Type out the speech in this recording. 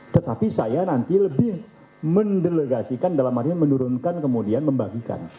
tetapi saya nanti lebih mendelegasikan dalam artian menurunkan kemudian membagikan